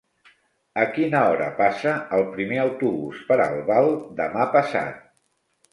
A quina hora passa el primer autobús per Albal demà passat?